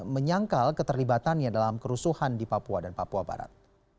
menyangkal keterlibatannya dalam kerusuhan di papua dan papua barat